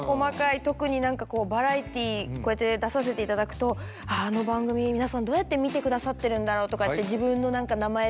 特に何かこうバラエティーこうやって出させていただくと「あの番組皆さんどうやって見てくださってるんだろう？」とかって。